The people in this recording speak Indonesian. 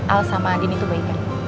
elsa sama andin itu baiknya